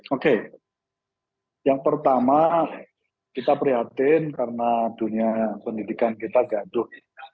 oke yang pertama kita prihatin karena dunia pendidikan kita gaduh